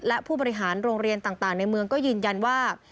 และผู้บริหารโรงเรียนต่างในเมืองก็ยืนยันว่า